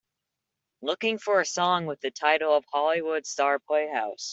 Looking for a song with the title of Hollywood Star Playhouse